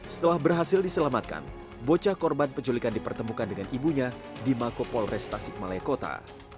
setelah berhasil diselamatkan bocah korban penculikan dipertemukan dengan ibunya di makopol restasi malaya kota